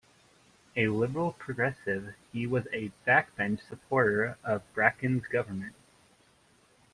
A Liberal-Progressive, he was a backbench supporter of Bracken's government.